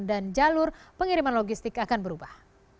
dan jalur pengiriman logistik akan berubah